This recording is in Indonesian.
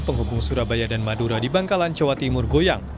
penghubung surabaya dan madura di bangkalan jawa timur goyang